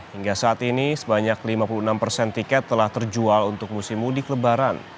hingga saat ini sebanyak lima puluh enam persen tiket telah terjual untuk musim mudik lebaran